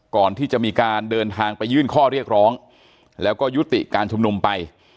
ก่อนที่จะมีการเดินทางไปยื่นข้อเรียกร้องแล้วก็ยุติการชุมนุมไป